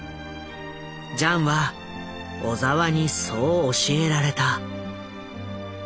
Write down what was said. ジャンは小澤にそう教えられた。